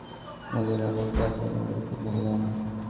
রাত অর্ধেক পেরিয়ে যায় তবুও মদীনার লোকদের আসার কোন লক্ষণ দেখা যায় না।